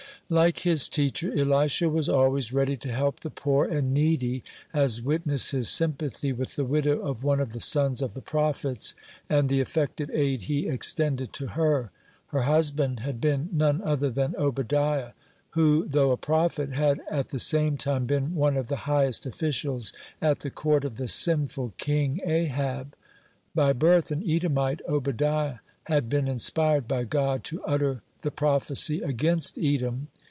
(5) Like his teacher, Elisha was always ready to help the poor and needy, as witness his sympathy with the widow of one of the sons of the prophets, and the effective aid he extended to her. Her husband had been none other than Obadiah, who, though a prophet, had at the same time been one of the highest officials at the court of the sinful king Ahab. By birth an Edomite, Obadiah had been inspired by God to utter the prophecy against Edom.